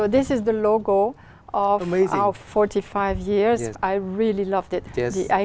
điều đó rất tuyệt vời